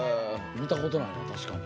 見たことないな確かに。